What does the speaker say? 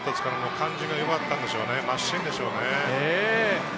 感じがよかったんでしょうね、真芯ですからね。